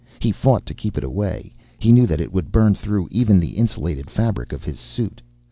He fought to keep it away; he knew that it would burn through even the insulated fabric of his suit.